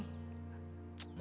neng dia mau ke tempat lain